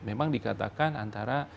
memang dikatakan antara